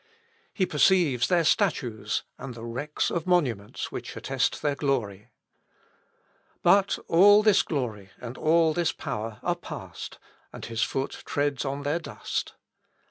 He perceives their statues, and the wrecks of monuments which attest their glory. But all this glory and all this power are past, and his foot treads on their dust.